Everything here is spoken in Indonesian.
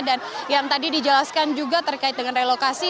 dan yang tadi dijelaskan juga terkait dengan relokasi